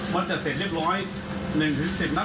มันจะเสร็จเรียบร้อย๑๑๐นัด